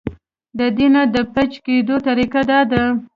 د دې نه د بچ کېدو طريقه دا ده -